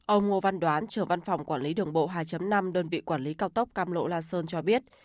ông ngô văn đoán trưởng văn phòng quản lý đường bộ hai năm đơn vị quản lý cao tốc cam lộ la sơn cho biết